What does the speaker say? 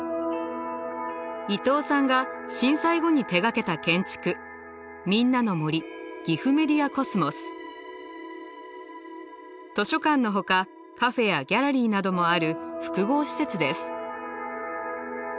伊東さんが震災後に手がけた建築図書館のほかカフェやギャラリーなどもある複合施設です。